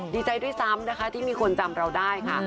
ดีใจด้วยซ้ำนะคะที่มีคนจำเราได้ค่ะ